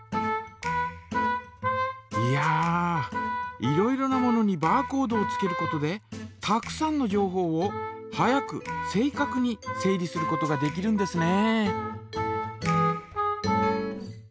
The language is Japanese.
いやいろいろなものにバーコードをつけることでたくさんの情報を早く正かくに整理することができるんですね。